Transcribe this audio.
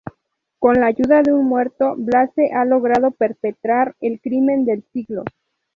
Con la ayuda de un muerto, Blaze ha logrado perpetrar el crimen del siglo.